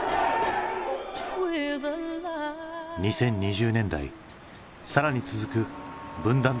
２０２０年代更に続く分断と混乱。